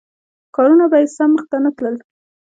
کارونه به یې سم مخته نه تلل.